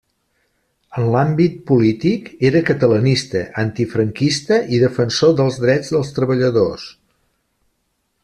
En l'àmbit polític era catalanista, antifranquista i defensor dels drets dels treballadors.